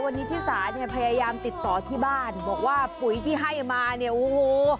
วันนี้ชิสาเนี่ยพยายามติดต่อที่บ้านบอกว่าปุ๋ยที่ให้มาเนี่ยโอ้โห